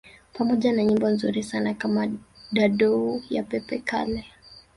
Pamoja na nyimbo nzuri sana kama Dadou ya Pepe Kalle